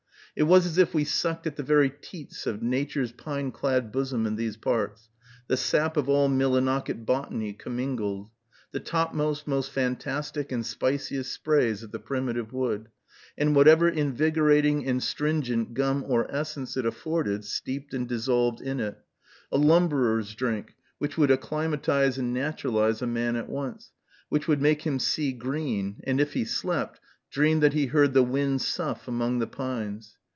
It was as if we sucked at the very teats of Nature's pine clad bosom in these parts, the sap of all Millinocket botany commingled, the topmost, most fantastic, and spiciest sprays of the primitive wood, and whatever invigorating and stringent gum or essence it afforded steeped and dissolved in it, a lumberer's drink, which would acclimate and naturalize a man at once, which would make him see green, and, if he slept, dream that he heard the wind sough among the pines.